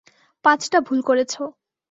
পাঁচটা ভুল করেছো।